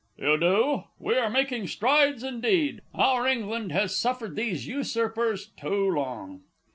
You do? We are making strides, indeed! Our England has suffered these usurpers too long.